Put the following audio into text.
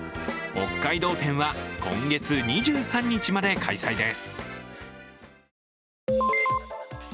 北海道展は今月２３日まで開催です。